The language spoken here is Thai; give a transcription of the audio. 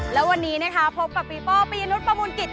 และวันนี้พบกับปีโปปียนุษย์ประมูลกิจค่ะ